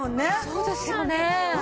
そうですよね。